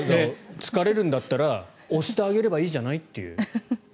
疲れるんだったら押してあげればいいじゃないという。